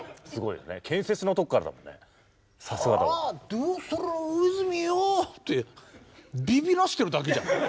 「さあどうする大泉洋！」ってビビらしてるだけじゃん。